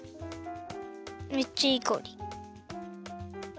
めっちゃいいかおり。